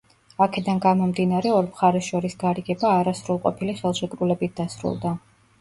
აქედან გამომდინარე ორ მხარეს შორის გარიგება, არასრულყოფილი ხელშეკრულებით სრულდება.